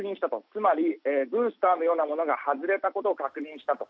つまりブースターのようなものが外れたことを確認したと。